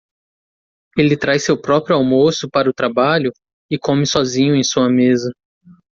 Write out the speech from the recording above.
Ele traz seu próprio almoço para o trabalho? e come sozinho em sua mesa.